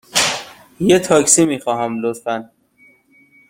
یه تاکسی می خواهم، لطفاً.